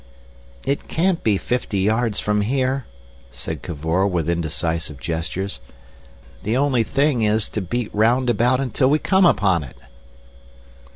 "It can't be fifty yards from here," said Cavor, with indecisive gestures. "The only thing is to beat round about until we come upon it."